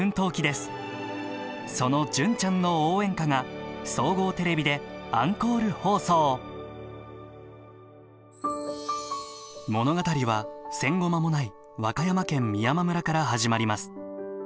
その「純ちゃんの応援歌」が総合テレビでアンコール放送物語は戦後間もない和歌山県美山村から始まります。